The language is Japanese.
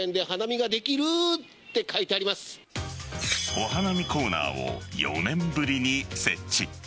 お花見コーナーを４年ぶりに設置。